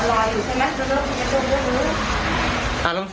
สำนวนครอดีแซบซี่